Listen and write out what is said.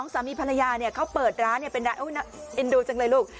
สามีภรรยาเขาเปิดร้านเป็นร้านเอ็นดูจังเลยลูก